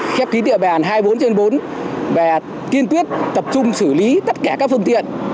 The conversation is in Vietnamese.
khép kín địa bàn hai mươi bốn trên bốn và kiên quyết tập trung xử lý tất cả các phương tiện